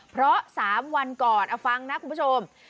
เพราะ๓วันก่อนเอาฟังนะคุณผู้ชม